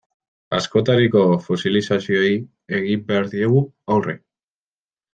Askotariko fosilizazioei egin behar diegu aurre.